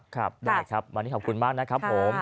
ค่ะมานี้ขอบคุณมากนะครับผม